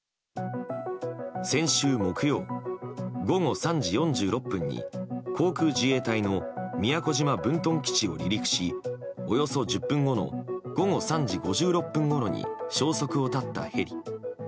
先週木曜、午後３時４６分に航空自衛隊の宮古島分屯基地を離陸しおよそ１０分後の午後３時５６分ごろに消息を絶ったヘリ。